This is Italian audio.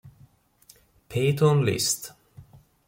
Peyton List